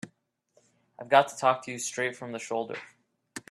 I've got to talk to you straight from the shoulder.